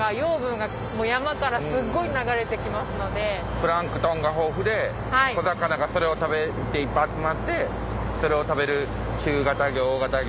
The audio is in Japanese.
プランクトンが豊富で小魚がそれを食べていっぱい集まってそれを食べる中型魚大型魚。